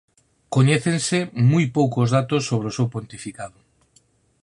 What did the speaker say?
Coñécense moi poucos datos sobre o seu pontificado.